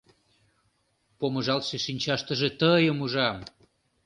Помыжалтше шинчаштыже тыйым ужам.